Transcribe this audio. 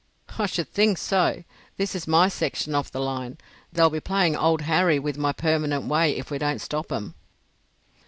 "I should think so! This is my section of the line. They'll be playing old Harry with my permanent way if we don't stop 'em."